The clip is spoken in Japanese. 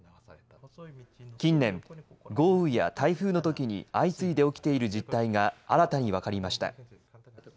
近年、豪雨や台風のときに相次いで起きている実態が新たに分かりました。